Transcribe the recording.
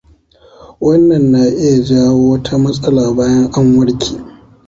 Wannan na iya jawo wata matsala bayan an warke.